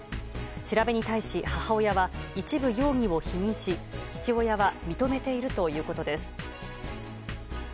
調べに対し母親は一部容疑を否認し父親は認めているということです。